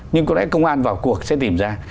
nhưng có lẽ công an vào cuộc sẽ tìm ra